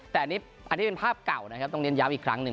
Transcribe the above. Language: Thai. แต่อันนี้เป็นภาพเก่านะครับต้องเน้นย้ำอีกครั้งหนึ่ง